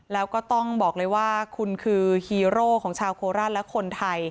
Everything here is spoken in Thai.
แล้วก็ต้องบอกเลยว่าคุณคือฮีโร่ของชาวโคราชและคนไทย